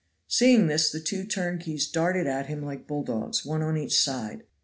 Seeing this the two turnkeys darted at him like bulldogs, one on each side.